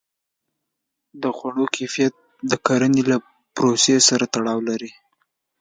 د خوړو کیفیت د کرنې له پروسې سره تړاو لري.